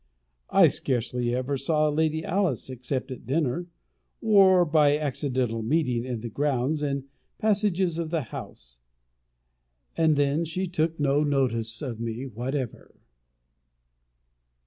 I scarcely ever saw Lady Alice, except at dinner, or by accidental meeting in the grounds and passages of the house; and then she took no notice of me whatever.